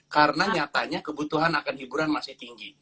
karena nyatanya kebutuhan akan hiburan masih tinggi